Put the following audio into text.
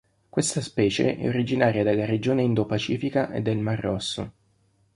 Questa specie è originaria della regione Indo-pacifica e del Mar Rosso.